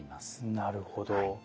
なるほど。